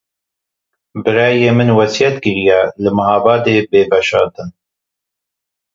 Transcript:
Birayê min wesiyet kiriye li Mihabadê bê veşartin.